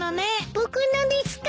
僕のですか？